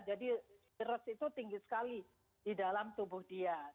jadi virus itu tinggi sekali di dalam tubuh dia